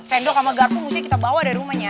sendok sama garpu mestinya kita bawa dari rumahnya